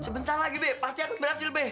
sebentar lagi be pasti akan berhasil be